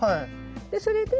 でそれで。